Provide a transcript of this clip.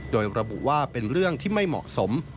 โดยระบุว่าเป็นเรื่องที่ไม่เหมาะสม